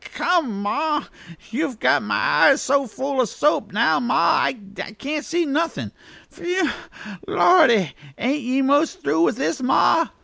Come, ma! you've got my eyes so full o' soap now, ma, that I can't see nothin'. Phew, Lordy! ain't ye most through with this, ma?"